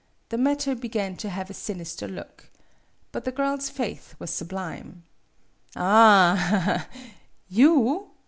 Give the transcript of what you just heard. The matter began to have a sinister look. But the girl's faith was sublime. "Ah h h! You?"